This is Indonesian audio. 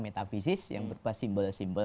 metafisis yang berupa simbol simbol